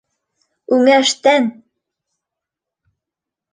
- Үңәштән!